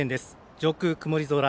上空曇り空。